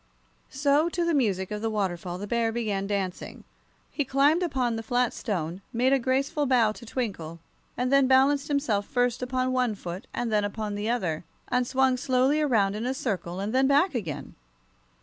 So to the music of the waterfall the bear began dancing. He climbed upon the flat stone, made a graceful bow to Twinkle, and then balanced himself first upon one foot and then upon the other, and swung slowly around in a circle, and then back again.